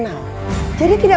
jadi tidak mungkin kakaknya